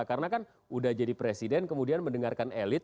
karena kan sudah jadi presiden kemudian mendengarkan elit